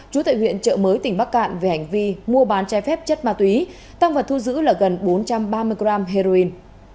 chú tại huyện trợ mới tỉnh bắc cạn về hành vi mua bán trái phép chất ma túy tăng vật thu giữ là gần bốn trăm ba mươi g heroin